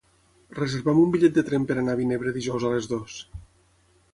Reserva'm un bitllet de tren per anar a Vinebre dijous a les dues.